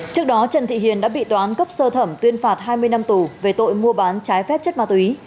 trước đó trần thị hiền đã bị toán cấp sơ thẩm tuyên phạt hai mươi năm tù về tội mua bán trái phép chất ma túy